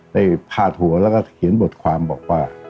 พาดหัวแล้วก็เขียนบทความบอกว่า